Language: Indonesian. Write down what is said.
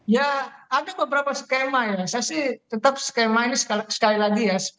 ya ada beberapa skema ya saya sih tetap skema ini sekali lagi ya